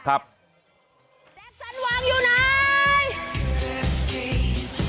แจ็คสันหวังอยู่ไหน